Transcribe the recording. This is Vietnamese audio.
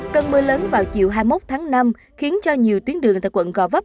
cơn mưa lớn vào chiều hai mươi một tháng năm khiến cho nhiều tuyến đường tại quận gò vấp